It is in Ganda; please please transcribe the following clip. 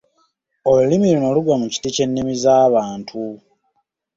"Olulimi luno lugwa mu kiti ky’ennimi za ""Bantu""."